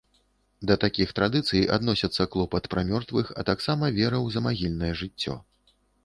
Да такіх традыцый адносяцца клопат пра мёртвых, а таксама вера ў замагільнае жыццё.